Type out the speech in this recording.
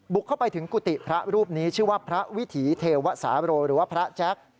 เข้าไปถึงกุฏิพระรูปนี้ชื่อว่าพระวิถีเทวสาโรหรือว่าพระแจ็ค